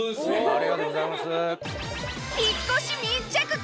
ありがとうございます。